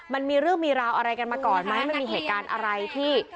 มันมีเรื่องมีราวอะไรกันมาก่อนไหมมันมีเหตุการณ์อะไรที่